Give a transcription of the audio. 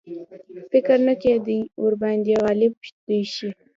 فکر نه کېدی ورباندي غالب دي شي.